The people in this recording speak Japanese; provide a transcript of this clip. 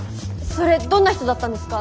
それどんな人だったんですか？